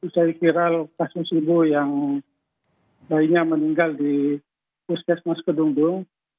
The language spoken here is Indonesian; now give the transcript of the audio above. saya kiral kasus ibu yang bayinya meninggal di puskesmas kedundung